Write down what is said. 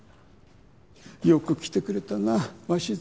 よく来てくれたな鷲津。